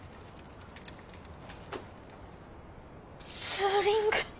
ツーリング！